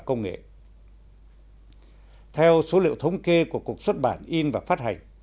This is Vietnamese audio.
công nghệ theo số liệu thống kê của cục xuất bản in và phát hành